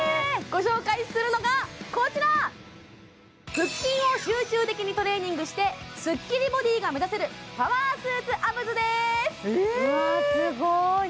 ご紹介するのがこちら腹筋を集中的にトレーニングしてすっきりボディが目指せるパワースーツアブズですわあすごい！